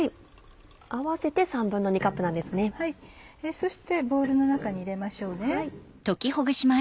そしてボウルの中に入れましょうね。